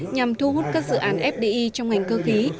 nhằm thu hút các dự án fdi trong ngành cơ khí